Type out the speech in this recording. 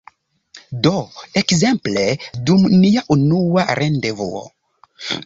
Do, ekzemple, dum nia unua rendevuo